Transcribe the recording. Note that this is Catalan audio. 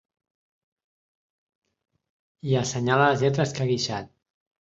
I assenyala les lletres que ha guixat.